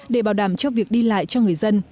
để bảo đảm cho việc đi lại cho người dân